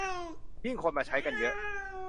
ยิ่งคนมาใช้กันเยอะ